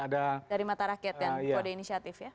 dari mata rakyat kan kode inisiatif ya